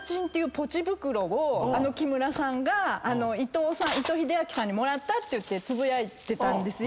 ポチ袋を木村さんが伊藤英明さんにもらったってつぶやいてたんですよ。